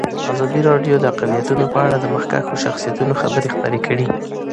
ازادي راډیو د اقلیتونه په اړه د مخکښو شخصیتونو خبرې خپرې کړي.